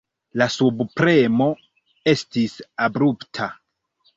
La subpremo estis abrupta.